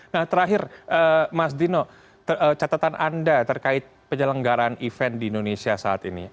nah terakhir mas dino catatan anda terkait penyelenggaran event di indonesia saat ini